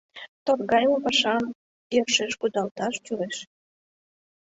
Торгайыме пашам йӧршеш кудалташ кӱлеш...